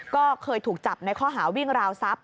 ก็เคยถูกจับในข้อหาวิ่งราวทรัพย